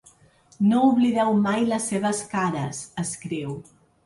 No oblideu mai les seves cares, escriu.